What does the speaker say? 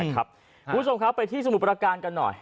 ครับคุณผู้ชมครับไปที่สมุทรปฤษฐการณ์กันหน่อย